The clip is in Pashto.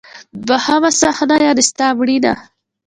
دوهمه صفحه: یعنی ستا مړینه.